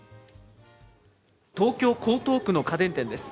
東京・江東区の家電店です。